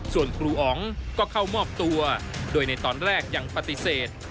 ส่วนครูอ๋องก็เข้ามอบตัวโดยในตอนแรกยังปฏิเสธ